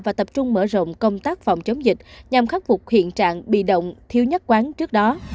và tập trung mở rộng công tác phòng chống dịch nhằm khắc phục hiện trạng bị động thiếu nhất quán trước đó